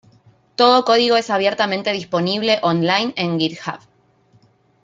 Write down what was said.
Todo código es abiertamente disponible on-line en GitHub.